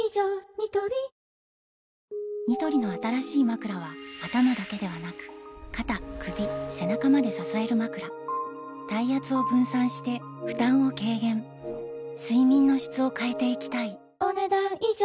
ニトリニトリの新しいまくらは頭だけではなく肩・首・背中まで支えるまくら体圧を分散して負担を軽減睡眠の質を変えていきたいお、ねだん以上。